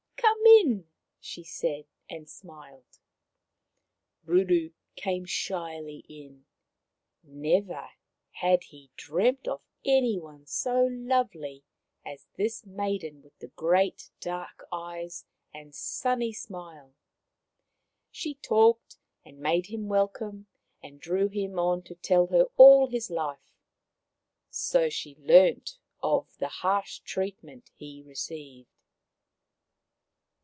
" Come in !" she said, and smiled. Ruru came shyly in. Never had he dreamt of any one so lovely as this maiden with the great dark eyes and sunny smile. She talked and made him welcome, and drew him on to tell her all his life. So she learnt of the harsh treatment he received.